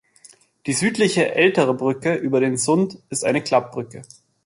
Die südliche, ältere Brücke über den Sund ist eine Klappbrücke.